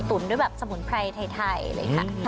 ด้วยแบบสมุนไพรไทยเลยค่ะ